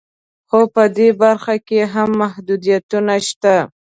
خو په دې برخه کې هم محدودیتونه شته